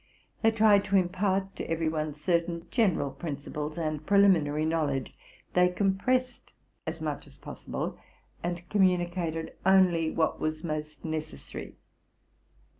They tried to impart to every one certain general principles and preliminary knowledge, they compressed as much as possible, and com municated only what was most necessary.